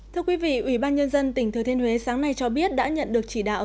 thưa quý vị ủy ban nhân dân tỉnh thừa thiên huế sáng nay cho biết đã nhận được chỉ đạo